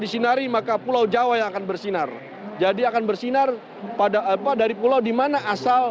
disinari maka pulau jawa yang akan bersinar jadi akan bersinar pada apa dari pulau dimana asal